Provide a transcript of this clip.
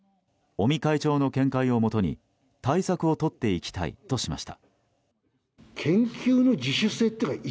尾身会長の見解をもとに対策をとっていきたいとしました。